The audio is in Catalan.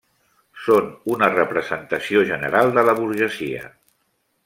Són una representació general de la burgesia.